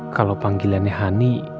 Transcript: kalau panggilannya honey